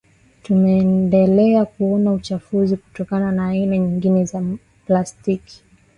Tumeendelea kuona uchafuzi kutokana na aina nyingine za plaskiti